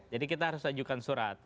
jadi kita harus ajukan surat